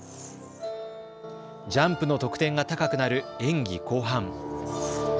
ジャンプの得点が高くなる演技後半。